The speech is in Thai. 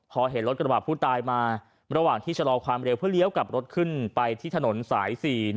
พอเห็นรถกระบาดผู้ตายมาระหว่างที่ชะลอความเร็วเพื่อเลี้ยวกลับรถขึ้นไปที่ถนนสาย๔๑